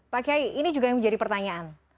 pak kiai ini juga yang menjadi pertanyaan